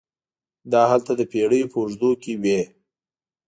دا هلته د پېړیو په اوږدو کې وې.